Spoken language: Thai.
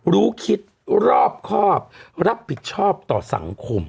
รู้คิดรอบครอบรับผิดชอบต่อสังคม